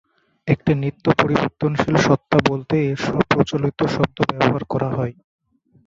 একটি নিত্য পরিবর্তনশীল সত্তা বলতেই এই প্রচলিত শব্দ ব্যবহার করা হয়।